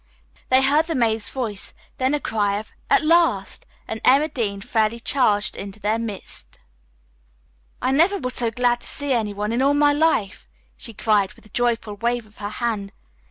They heard the maid's voice, then a cry of "At last!" and Emma Dean fairly charged into their midst. "I never was so glad to see any one in all my life," she cried, with a joyful wave of her hand.